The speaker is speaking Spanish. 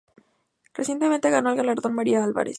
Recientemente gano el galardón "María Álvarez".